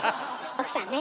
奥さんね。